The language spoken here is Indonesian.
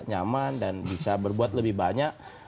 nyaman dan bisa berbuat lebih banyak